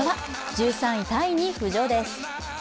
１３位タイに浮上です。